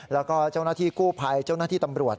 แล้วก็เจ้าหน้าที่กู้ภัยเจ้าหน้าที่ตำรวจ